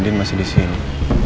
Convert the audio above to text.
andien masih disini